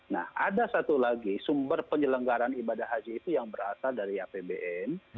nah ada satu lagi sumber penyelenggaran ibadah haji itu yang berasal dari apbn